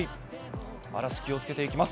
嵐、気をつけていきます。